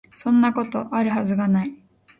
そんなこと、有る筈が無い